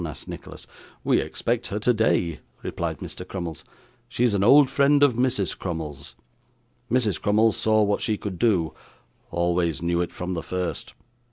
asked Nicholas. 'We expect her today,' replied Mr. Crummles. 'She is an old friend of Mrs Crummles's. Mrs. Crummles saw what she could do always knew it from the first.